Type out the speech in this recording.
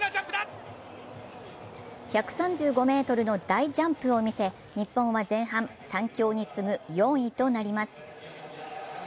１３５ｍの大ジャンプを見せ日本は前半、３強に次ぐ４位となります。